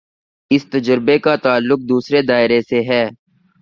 اس تجزیے کا تعلق دوسرے دائرے سے ہے۔